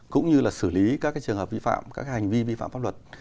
cũng như là xử lý các cái trường hợp vi phạm các cái hành vi vi phạm pháp luật